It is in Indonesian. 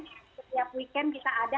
setiap weekend kita ada